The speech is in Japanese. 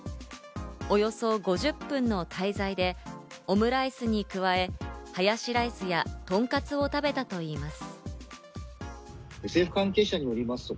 およそ５０分の滞在で、オムライスに加え、ハヤシライスや、とんかつを食べたといいます。